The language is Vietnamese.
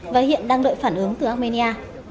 và hiện đang đợi phản ứng từ armenia